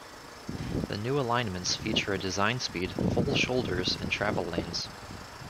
The new alignments feature a design speed, full shoulders, and travel lanes.